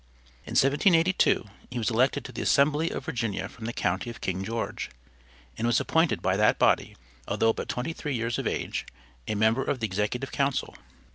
In 1782, he was elected to the assembly of Virginia from the county of King George, and was appointed by that body, although but twenty three years of age, a member of the executive council.